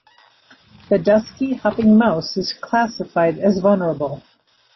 The dusky hopping mouse is classified as vulnerable.